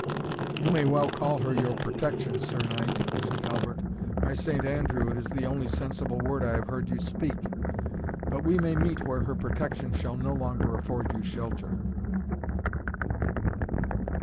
"You may well call her your protection, Sir Knight" said Halbert; "by Saint Andrew, it is the only sensible word I have heard you speak! But we may meet where her protection shall no longer afford you shelter."